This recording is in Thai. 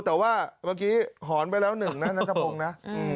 แต่ว่าเมื่อกี้หอนไปแล้วหนึ่งนะนัทพงศ์นะ